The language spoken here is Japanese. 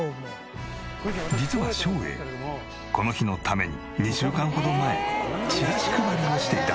実は照英この日のために２週間ほど前チラシ配りをしていた。